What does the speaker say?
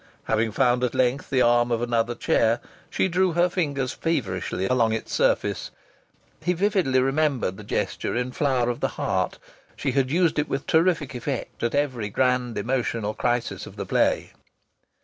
Having found at length the arm of another chair, she drew her fingers feverishly along its surface. He vividly remembered the gesture in "Flower of the Heart." She had used it with terrific effect at every grand emotional crisis of the play.